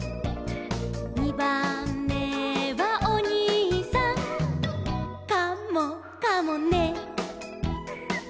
「にばんめはおにいさん」「カモかもね」